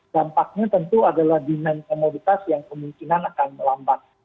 dampaknya tentu adalah demand komoditas yang kemungkinan akan melambat